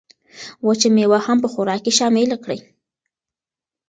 وچه مېوه هم په خوراک کې شامله کړئ.